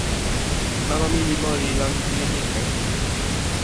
mama mi li moli la mi pilin ike.